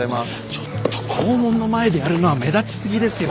ちょっと校門の前でやるのは目立ちすぎですよ。